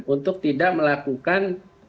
untuk tidak melakukan